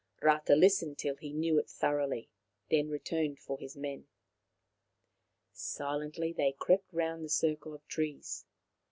Rata listened till he knew it thoroughly, then returned for his men. Silently they crept round the circle of trees.